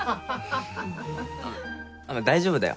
大丈夫だよ。